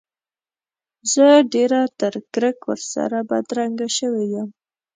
زه ډېره تر کرک ورسره بدرګه شوی یم.